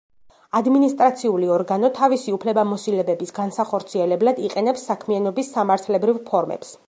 ადმინისტრაციული ორგანო თავისი უფლებამოსილებების განსახორციელებლად იყენებს საქმიანობის სამართლებრივ ფორმებს.